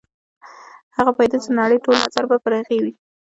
هغه پوهېده چې د نړۍ ټول نظر به پر هغې وي.